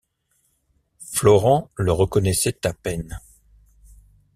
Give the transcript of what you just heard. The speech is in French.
Florent le reconnaissait à peine.